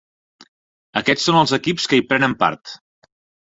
Aquests són els equips que hi prenen part.